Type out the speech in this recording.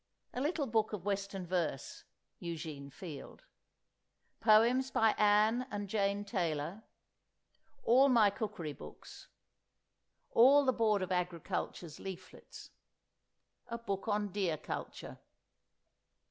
"A Little Book of Western Verse." Eugene Field. Poems by Ann and Jane Taylor. All my Cookery Books. All the Board of Agriculture's Leaflets. A Book on Deer Culture.